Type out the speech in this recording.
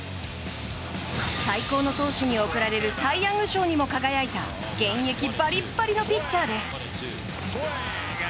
最高の投手に贈られるサイ・ヤング賞にも輝いた現役バリバリのピッチャーです。